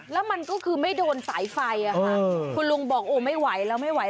แล้วมันก็คือไม่โดนสายไฟค่ะคุณลุงบอกโอ้ไม่ไหวแล้วไม่ไหว